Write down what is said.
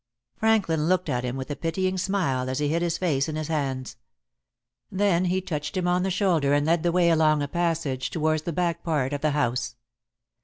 Franklin looked at him with a pitying smile as he hid his face in his hands. Then he touched him on the shoulder and led the way along a passage towards the back part of the house.